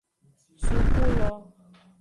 Suku lo.